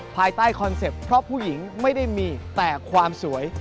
ภายใต้คอนเซ็ปต์เพราะผู้หญิงไม่ได้มีแต่ความสวย